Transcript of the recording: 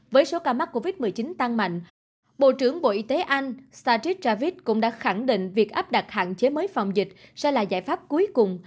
với số ca mắc covid một mươi chín tăng mạnh bộ trưởng bộ y tế anh stadrid traviz cũng đã khẳng định việc áp đặt hạn chế mới phòng dịch sẽ là giải pháp cuối cùng